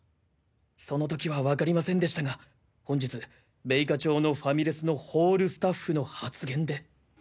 その時はわかりませんでしたが本日米花町のファミレスのホールスタッフの発言で。